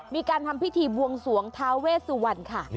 มีการทำพิธีบวงสวงท้าเวสวรรณค่ะ